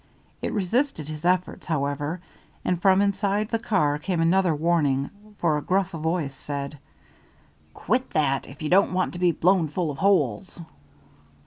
It resisted his efforts, however, and from inside the car came another warning, for a gruff voice said: "Quit that, if you don't want to be blown full of holes."